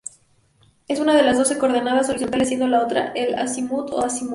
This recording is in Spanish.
Es una de las dos coordenadas horizontales, siendo la otra el azimut o acimut.